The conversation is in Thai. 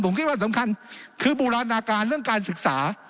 ผมคิดว่าสำคัญคือบูรณาการเรื่องการศึกษา